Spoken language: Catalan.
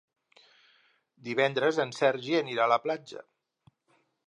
Divendres en Sergi anirà a la platja.